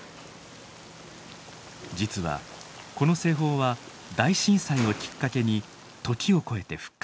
実はこの製法は大震災をきっかけに時を超えて復活。